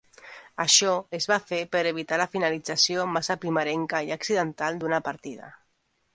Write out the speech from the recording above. Això es va fer per evitar la finalització massa primerenca i accidental d'una partida.